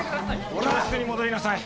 教室に戻りなさい。